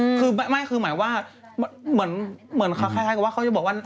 คือไม่คือหมายว่าเหมือนเหมือนคล้ายกับว่าเขาจะบอกว่า